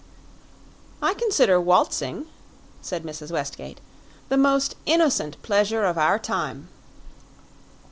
"I consider waltzing," said Mrs. Westgate, "the most innocent pleasure of our time."